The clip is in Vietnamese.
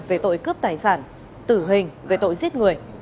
về tội cướp tài sản tử hình về tội giết người